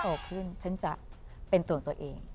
โตขึ้นฉันจะเป็นตัวตัวเอง